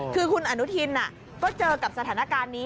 คือคุณอนุทินก็เจอกับสถานการณ์นี้